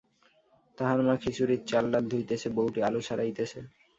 তাহার মা খিচুড়ির চালডাল ধুইতেছে, বৌটি আলু ছাড়াইতেছে।